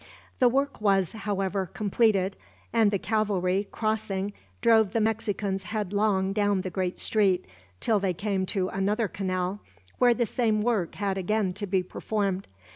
The work was, however, completed; and the cavalry, crossing, drove the Mexicans headlong down the great street; until they came to another canal, where the same work had again to be performed.